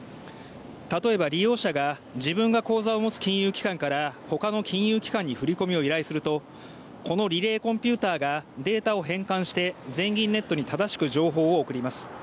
例えば、利用者が自分で口座を持つ金融機関から他の金融機関に振り込みを依頼するとこのリレーコンピューターがデータを変換して全銀ネットに正しく情報を送ります。